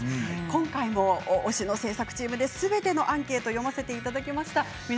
今回の推しの制作チームですべてのアンケートを読ませていただきました。